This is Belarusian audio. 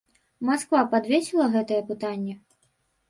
Масква падвесіла гэтае пытанне?